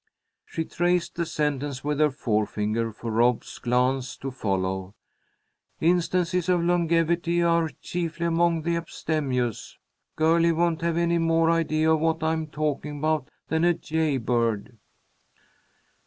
She traced the sentence with her forefinger, for Rob's glance to follow: "Instances of longevity are chiefly among the abstemious." "Girlie won't have any more idea of what I'm talking about than a jay bird."